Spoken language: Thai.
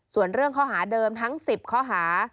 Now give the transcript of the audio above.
ส่วนเรื่องข้อหาเดิมทั้ง๑๐ข้อหา